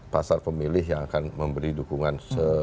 pasar pemilih yang akan memberi dukungan